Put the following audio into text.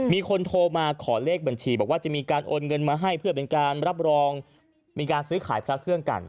มีคนโทรมาขอเลขบัญชีบอกว่าจะมีการโอนเงินมาให้เพื่อเป็นการรับรองมีการซื้อขายพระเครื่องกัน